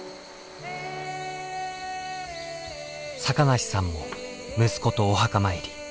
坂梨さんも息子とお墓参り。